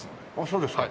そうですか。